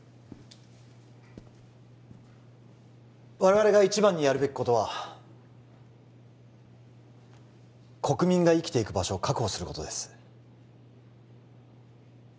我々が一番にやるべきことは国民が生きていく場所を確保することです